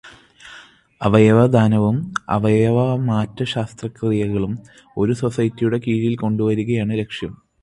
അവയവദാനവും അവയവമാറ്റ ശസ്ത്രക്രിയകളും ഒരു സൊസൈറ്റിയുടെ കീഴില് കൊണ്ടുവരികയാണ് ലക്ഷ്യം.